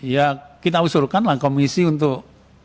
ya kita usulkanlah komisi untuk